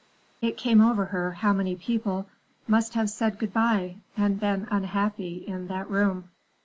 It came over her how many people must have said good bye and been unhappy in that room.